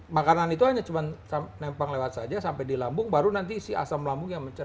makanan itu hanya cuma nempang lewat saja sampai di lambung baru nanti isi asam lambung yang mencer